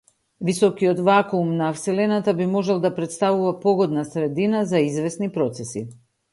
Високиот вакуум на вселената би можел да претставува погодна средина за извесни процеси.